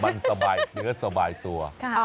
มันสบายเนื้อสบายตัว